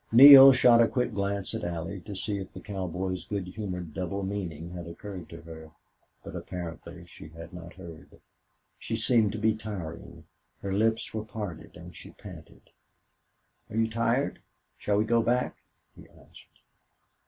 Neale shot a quick glance at Allie to see if the cowboy's good humored double meaning had occurred to her. But apparently she had not heard. She seemed to be tiring. Her lips were parted and she panted. "Are you tired? Shall we go back?" he asked.